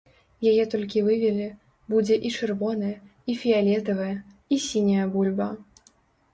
Яе толькі вывелі, будзе і чырвоная, і фіялетавая, і сіняя бульба.